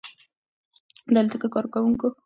د الوتکې کارکونکو مسافرانو ته د ګرمو چایو وړاندیز وکړ.